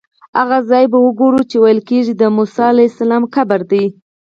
هغه ځای به وګورو چې ویل کېږي د موسی علیه السلام قبر دی.